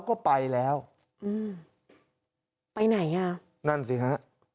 ก็ไปแล้วอืมไปไหนอ่ะนั่นสิฮะ